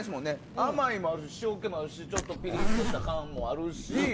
甘いもあるし、塩気もあるしピリッとした感じもあるし